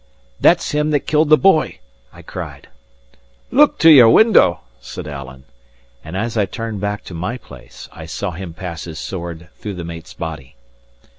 "That's him that killed the boy!" I cried. "Look to your window!" said Alan; and as I turned back to my place, I saw him pass his sword through the mate's body.